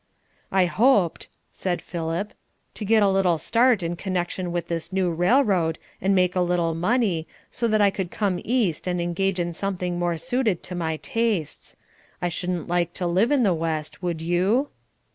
"I hoped," said Philip; "to get a little start in connection with this new railroad, and make a little money, so that I could come east and engage in something more suited to my tastes. I shouldn't like to live in the West. Would you?